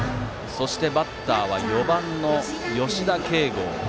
続いてのバッターは４番の吉田慶剛。